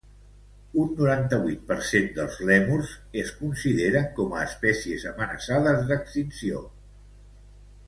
Un noranta-vuit percent dels lèmurs es consideren com a espècies amenaçades d'extinció